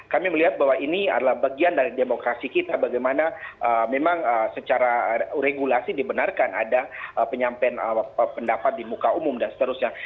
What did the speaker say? kami melihat bahwa ini adalah bagian dari demokrasi kita bagaimana memang secara regulasi dibenarkan ada penyampaian pendapat di muka umum dan seterusnya